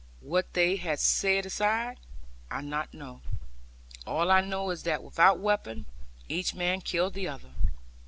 What they said aside, I know not; all I know is that without weapon, each man killed the other.